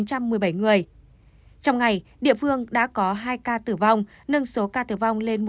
trong ngày địa phương đã có hai ca tử vong nâng số ca tử vong lên một trăm bảy mươi